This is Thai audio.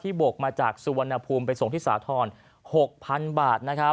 ที่บกมาจากสุวรรณภูมิไปส่งที่สาธรณ์๖๐๐๐บาท